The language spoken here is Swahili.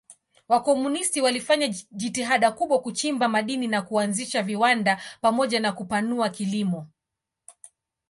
Wakomunisti walifanya jitihada kubwa kuchimba madini na kuanzisha viwanda pamoja na kupanua kilimo.